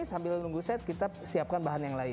sambil nunggu set kita siapkan bahan yang lain